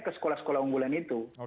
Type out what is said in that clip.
ke sekolah sekolah unggulan itu